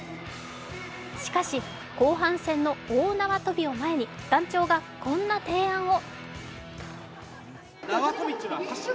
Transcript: しかし、後半戦の大縄跳びを前に団長がこんな提案を。